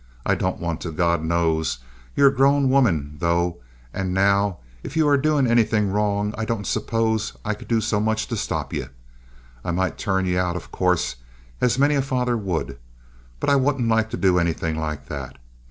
I don't want to, God knows. Ye're a grown woman, though, now; and if ye are doin' anythin' wrong I don't suppose I could do so much to stop ye. I might turn ye out, of course, as many a father would; but I wouldn't like to do anythin' like that.